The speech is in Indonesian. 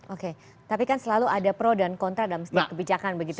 oke tapi kan selalu ada pro dan kontra dalam setiap kebijakan begitu ya